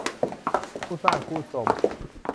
คู่สร้างคู่สม